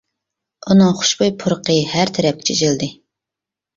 ئۇنىڭ خۇشبۇي پۇرىقى، ھەر تەرەپكە چېچىلدى.